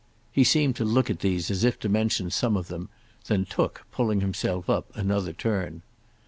He seemed to look at these as if to mention some of them; then took, pulling himself up, another turn.